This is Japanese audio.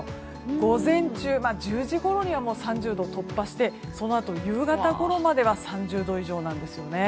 午前中、１０時ごろには３０度を突破してそのあと、夕方ごろまで３０度以上です。